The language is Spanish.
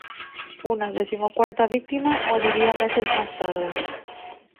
Una decimocuarta víctima moriría meses más tarde.